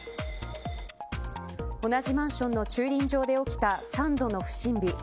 同じマンションの駐輪場で起きた３度の不審火。